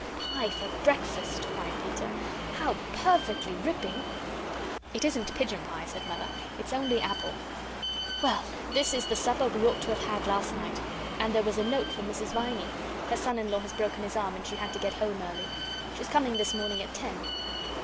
"Pie for breakfast!" cried Peter; "how perfectly ripping!" "It isn't pigeon pie," said Mother; "it's only apple. Well, this is the supper we ought to have had last night. And there was a note from Mrs. Viney. Her son in law has broken his arm, and she had to get home early. She's coming this morning at ten."